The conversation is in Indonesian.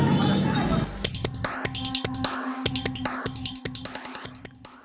tidak ada yang bisa dikawal oleh tauran